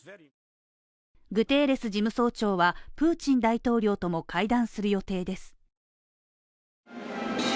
グテーレス事務総長は、プーチン大統領とも会談する予定です。